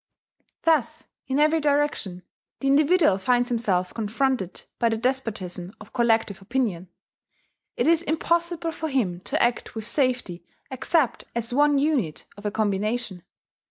Thus, in every direction, the individual finds himself confronted by the despotism of collective opinion: it is impossible for him to act with safety except as one unit of a combination.